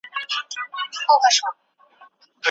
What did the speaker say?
نبي کريم عليه الصلاة والسلام فرمايلي دي: اې د ميرمنو ټولۍ!